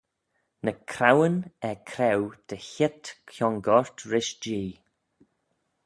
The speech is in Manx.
Ny craueyn er-creau dy heet kiongoyrt rish Jee.